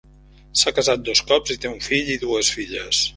S'ha casat dos cops i té un fill i dues filles.